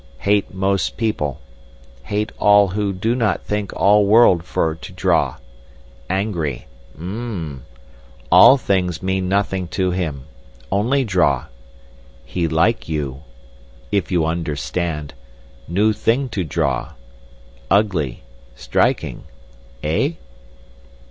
Hate most people. Hate all who not think all world for to draw. Angry. M'm. All things mean nothing to him—only draw. He like you ... if you understand.... New thing to draw. Ugly—striking. Eh?